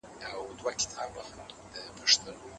څېړنه وخت او حوصله غواړي.